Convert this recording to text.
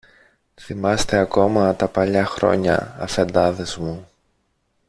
Θυμάστε ακόμα τα παλιά χρόνια, Αφεντάδες μου.